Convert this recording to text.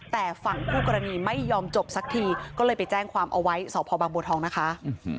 แต่ฝั่งคู่กรณีไม่ยอมจบสักทีก็เลยไปแจ้งความเอาไว้สพบางบัวทองนะคะ